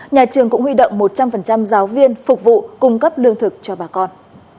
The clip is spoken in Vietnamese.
nhà trường cũng huy động một trăm linh giáo viên phục vụ cung cấp lương thực cho bà con